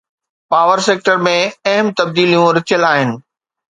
power sector ۾ اهم تبديليون رٿيل آهن